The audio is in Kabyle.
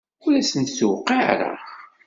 Ur asent-d-tuqiɛ ara.